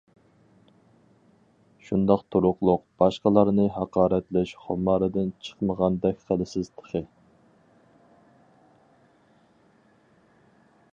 شۇنداق تۇرۇقلۇق باشقىلارنى ھاقارەتلەش خۇمارىدىن چىقمىغاندەك قىلىسىز تېخى.